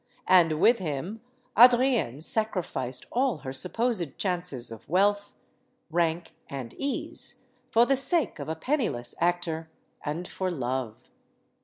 And with him Adrienne sacrificed all her sup posed chances of wealth, rank, and ease; for the sake of a penniless actor, and for love.